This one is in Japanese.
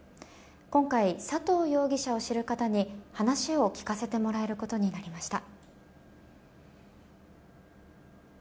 今回、佐藤容疑者を知る方に話を聞かせてもらえることになりました。